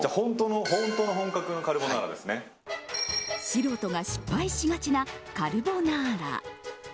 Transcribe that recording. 素人が失敗しがちなカルボナーラ。